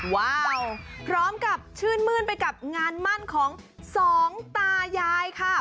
ว้าวพร้อมกับชื่นมื้นไปกับงานมั่นของสองตายายค่ะ